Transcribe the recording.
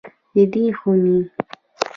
د دې خونې